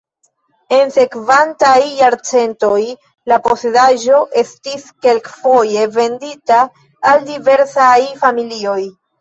En sekvantaj jarcentoj la posedaĵo estis kelkfoje vendita al diversaj familioj.